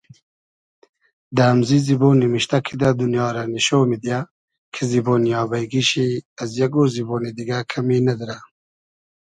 دۂ امزی زیبۉ نیمیشتۂ کیدۂ دونیا رۂ نیشۉ میدیۂ کی زیبۉنی آبݷ گی شی از یئگۉ زیبۉنی دیگۂ کئمی نئدرۂ